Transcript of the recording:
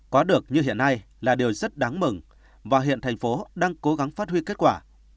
có được như hiện nay là điều rất đáng mừng và hiện thành phố đang cố gắng phát huy kết quả